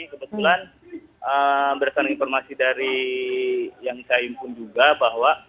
kebetulan berdasarkan informasi dari yang saya impun juga bahwa